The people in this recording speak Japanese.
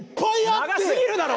長すぎるだろ！